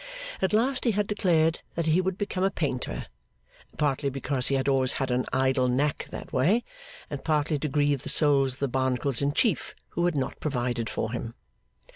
At last he had declared that he would become a Painter; partly because he had always had an idle knack that way, and partly to grieve the souls of the Barnacles in chief who had not provided for him.